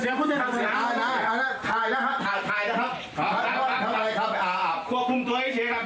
ตามผู้เลือกอะไรตามผู้เลือกอะไรครับ